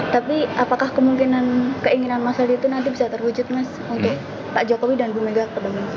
tapi apakah keinginan mas wali itu nanti bisa terwujud mas untuk pak jokowi dan bu megawati soekarno